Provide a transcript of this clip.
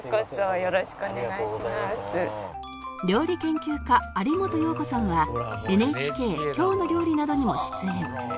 料理研究家有元葉子さんは ＮＨＫ『きょうの料理』などにも出演